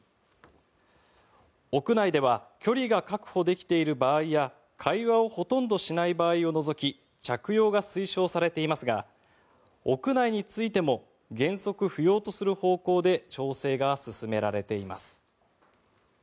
屋内では距離が確保できている場合や会話をほとんどしない場合を除き着用が推奨されていますが屋内についても原則不要とする方向で調整が進められています。